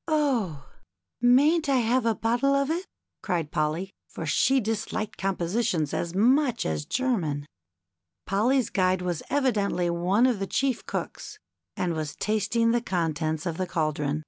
" Oh ! mayn't I have a bottle of it ?" cried Polly, for she disliked compositions as much as German. Polly's guide was evidently one of the chief cooks, and was tasting the contents of the caldron.